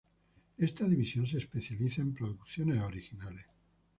Esta division se especializa en producciones originales.